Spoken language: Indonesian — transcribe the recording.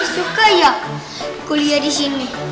dina pasti suka ya kuliah di sini